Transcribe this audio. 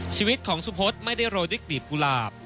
ชีวิตของสุพธไม่ได้โรยด้วยกลีบกุหลาบ